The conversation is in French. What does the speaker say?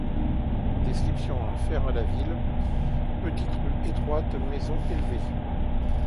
Description à faire de la ville : petites rues étroites, maisons élevées.